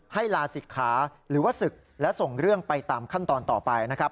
ลาศิกขาหรือว่าศึกและส่งเรื่องไปตามขั้นตอนต่อไปนะครับ